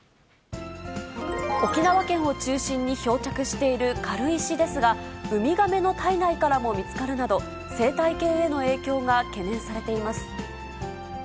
沖縄県を中心に漂着している軽石ですが、ウミガメの体内からも見つかるなど、生態系への影響が懸念されています。